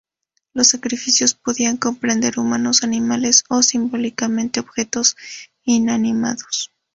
Los sacrificios podían comprender humanos, animales o, simbólicamente, objetos inanimados.